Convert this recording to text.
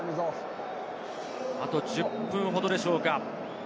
あと１０分ほどでしょうか。